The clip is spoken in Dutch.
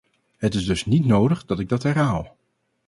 Het is dus niet nodig dat ik dat herhaal.